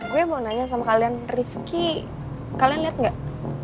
gue mau nanya sama kalian rifki kalian liat gak